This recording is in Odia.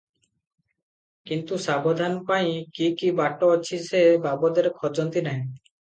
କିନ୍ତୁ ସମାଧାନ ପାଇଁ କି କି ବାଟ ଅଛି ସେ ବାବଦରେ ଖୋଜନ୍ତି ନାହିଁ ।